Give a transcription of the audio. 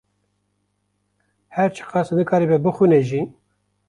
her çiqas nikaribe bixwîne jî